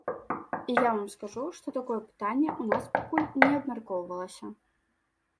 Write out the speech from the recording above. І я вам скажу, што такое пытанне у нас пакуль не абмяркоўвалася.